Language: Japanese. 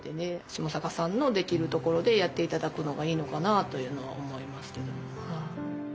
下坂さんのできるところでやって頂くのがいいのかなあというのは思いますけど。